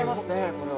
これは。